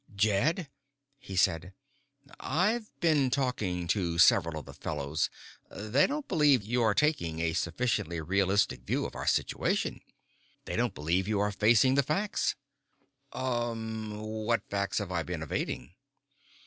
"Jed," he said. "I've been talking to several of the fellows. They don't believe you are taking a sufficiently realistic view of our situation. They don't believe you are facing the facts." "Um. What facts have I been evading?"